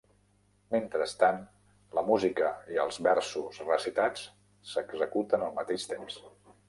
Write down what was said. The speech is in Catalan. Mentrestant, la música i els versos recitats s'executen al mateix temps.